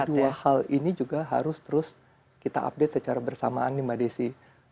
jadi kedua hal ini juga harus terus kita update secara bersamaan nih mbak desy